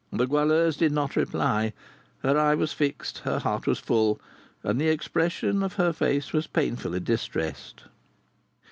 The Goualeuse did not reply; her eye was fixed, her heart was full, and the expression of her face was painfully distressed.